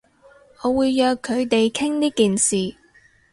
我會約佢哋傾呢件事